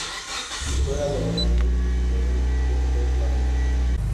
Juega de volante y su primer equipo fue Flamengo.